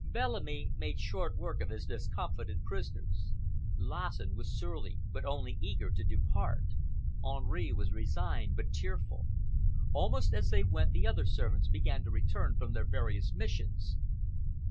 Bellamy made short work of his discomfited prisoners. Lassen was surly but only eager to depart; Henri was resigned but tearful. Almost as they went the other servants began to return from their various missions.